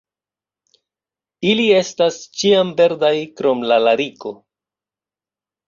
Ili estas ĉiamverdaj krom la lariko.